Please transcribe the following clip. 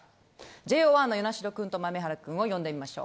ＪＯ１の與那城君と豆原君を呼んでみましょう。